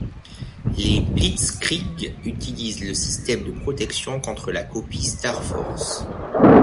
Les Blitzkrieg utilisent le système de protection contre la copie StarForce.